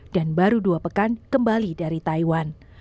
dan baru dua pekan kembali dari taiwan